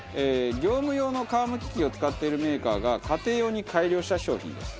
業務用の皮むき器を扱っているメーカーが家庭用に改良した商品です。